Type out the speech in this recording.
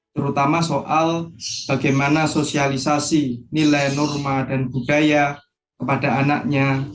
terutama soal bagaimana sosialisasi nilai norma dan budaya kepada anaknya